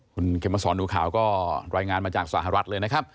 คุณเข็มมาสอนดูข่าวก็รายงานมาจากสหรัฐเลยนะครับ